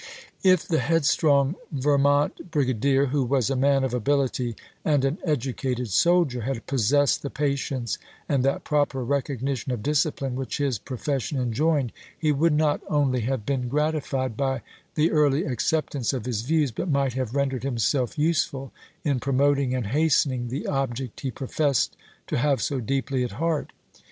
If the headstrong Vermont brigadier, who was a man of ability and an educated soldier, had possessed the patience and that proper recognition of discipline which his profession enjoined, he would not only have been gratified by the early acceptance of his views, but might have rendered himself useful in promoting and hastening the object he professed to have so deeply at heart.